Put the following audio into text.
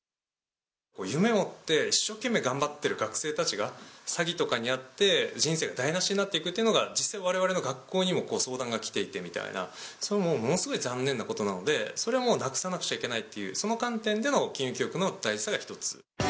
夢を追って、一生懸命頑張ってる学生たちが詐欺とかに遭って、人生が台なしになっていくというのが、実際われわれの学校にも相談が来ていてみたいな、それはもう、ものすごい残念なことなので、それはもうなくさなくちゃいけないっていう、その観点での金融教